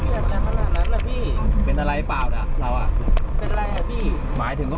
รถที่บนก็ไปดูดิ